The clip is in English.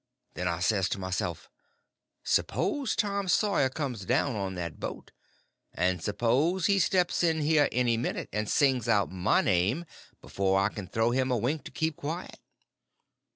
Then I says to myself, s'pose Tom Sawyer comes down on that boat? And s'pose he steps in here any minute, and sings out my name before I can throw him a wink to keep quiet?